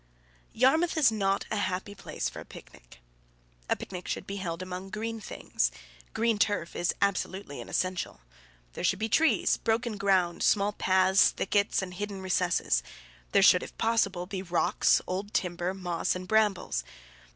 Yarmouth is not a happy place for a picnic. A picnic should be held among green things. Green turf is absolutely an essential. There should be trees, broken ground, small paths, thickets, and hidden recesses. There should, if possible, be rocks, old timber, moss, and brambles.